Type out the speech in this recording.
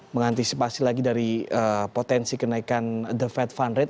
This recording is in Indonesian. mengantisipasi lagi dari potensi kenaikan the fed fund rate